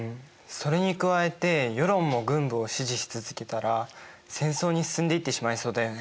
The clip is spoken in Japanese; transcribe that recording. それに加えて世論も軍部を支持し続けたら戦争に進んでいってしまいそうだよね。